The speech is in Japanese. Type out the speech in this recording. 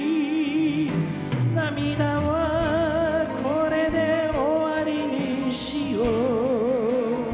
「涙はこれで終わりにしよう」